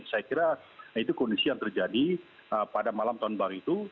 saya kira itu kondisi yang terjadi pada malam tahun baru itu